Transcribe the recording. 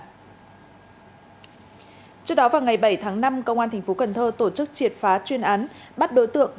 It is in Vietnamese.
ở trước đó vào ngày bảy tháng năm công an thành phố cần thơ tổ chức triệt phá chuyên án bắt đối tượng